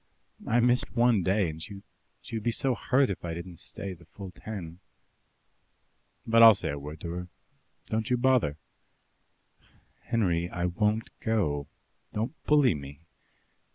I missed one day, and she would be so hurt if I didn't stay the full ten." "But I'll say a word to her. Don't you bother." "Henry, I won't go. Don't bully me."